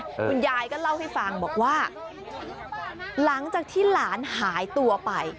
คุณยายก็เล่าให้ฟังบอกว่าหลังจากที่หลานหายตัวไป